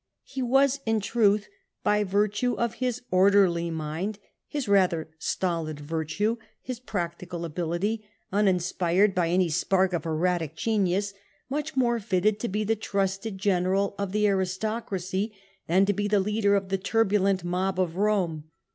He was, in truth, by virtue of his orderly mind, his rather stolid virtue, his practical ability, uninspired by any spark of erratic genius, much more fitted to be the trusted general of the aristocracy than to be the leader of the turbulent mob of Eome.